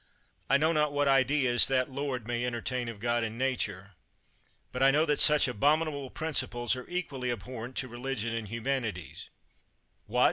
I know not what ideas that lord may entertain of God and nature, but I know that such abominable principles are equally abhorrent to religion and humanity. What!